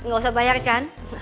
gak usah bayar kan